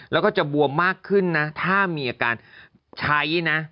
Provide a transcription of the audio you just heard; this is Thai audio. แล้วก็จะบวมมากขึ้นนะถ้ามีอาการใช้นะ